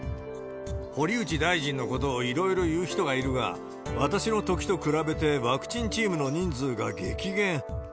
堀内大臣のことをいろいろ言う人がいるが、私のときと比べてワクチンチームの人数が激減。